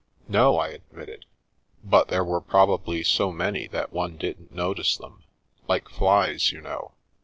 " No," I admitted, " but there were probably so many that one didn't notice them — ^like flies> you know."